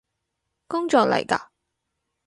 工作嚟嘎？